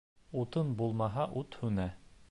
Утын булмаһа, ут һүнә.